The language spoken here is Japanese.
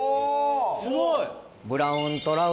すごい！